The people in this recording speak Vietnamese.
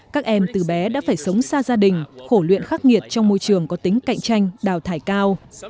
các em từ bé đã phải sống xa gia đình khổ luyện khắc nghiệt trong môi trường có tính cạnh tranh đào thải cao